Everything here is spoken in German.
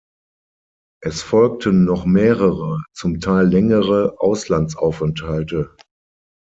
Es folgten noch mehrere, zum Teil längere, Auslandsaufenthalte.